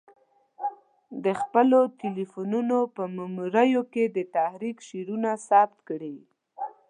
د خپلو تلیفونو په میموریو کې د تحریک شعرونه ثبت کړي.